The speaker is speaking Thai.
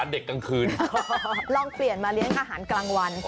เด็กกลางคืนลองเปลี่ยนมาเลี้ยงอาหารกลางวัน